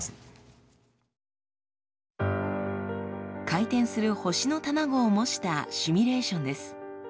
回転する星のタマゴを模したシミュレーションです。